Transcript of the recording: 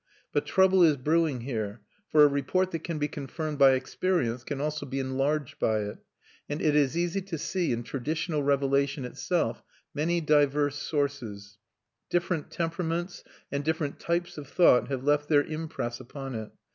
But trouble is brewing here; for a report that can be confirmed by experience can also be enlarged by it, and it is easy to see in traditional revelation itself many diverse sources; different temperaments and different types of thought have left their impress upon it.